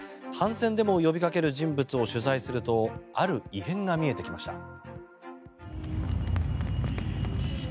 反戦デモを呼びかける人物を取材するとある異変が見えてきました。